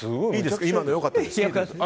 今の良かったですか？